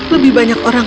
lebih banyak orang